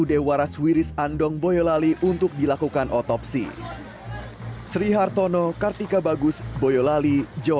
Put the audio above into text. sud waras wiris andong boyolali untuk dilakukan otopsi